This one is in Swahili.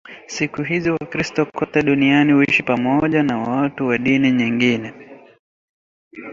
Siku hizi Wakristo kote duniani huishi pamoja na watu wa dini nyingine